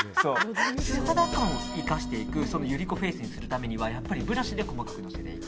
素肌間を生かしていくゆり子フェースにしていくためにはやっぱりブラシで細かくのせていく。